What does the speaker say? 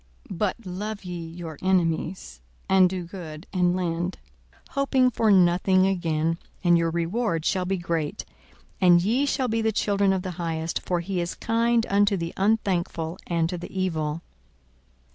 42:006:035 But love ye your enemies, and do good, and lend, hoping for nothing again; and your reward shall be great, and ye shall be the children of the Highest: for he is kind unto the unthankful and to the evil.